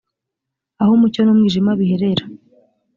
aho umucyo n umwijima biherera